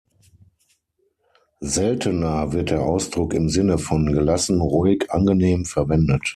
Seltener wird der Ausdruck im Sinne von gelassen, ruhig, angenehm verwendet.